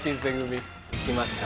来ました。